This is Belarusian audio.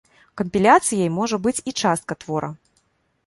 Кампіляцыяй можа быць і частка твора.